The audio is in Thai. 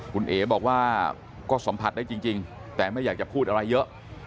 คุณเอ๋บอกว่าก็สัมผัสได้จริงแต่ไม่อยากจะพูดอะไรเยอะ